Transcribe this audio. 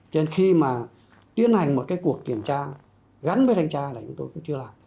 trên khi mà tiến hành một cái cuộc tiểm tra gắn với thanh tra là chúng tôi cũng chưa làm